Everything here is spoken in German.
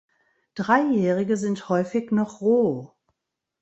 Dreijährige sind häufig noch roh.